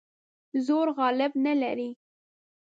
زور غالب نه لري.